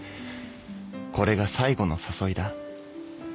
「これが最後の誘いだ」